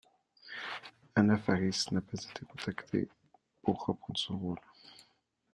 Anna Faris n'a pas été contacté pour reprendre son rôle.